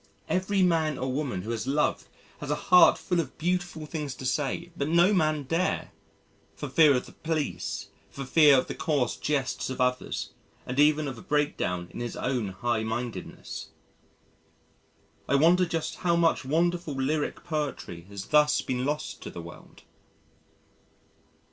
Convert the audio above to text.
Every man or woman who has loved has a heart full of beautiful things to say but no man dare for fear of the police, for fear of the coarse jests of others and even of a breakdown in his own highmindedness. I wonder just how much wonderful lyric poetry has thus been lost to the world!